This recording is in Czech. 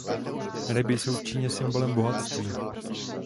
Ryby jsou v Číně symbolem bohatství.